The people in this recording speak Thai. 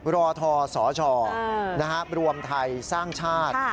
รทสชรวมไทยสร้างชาติ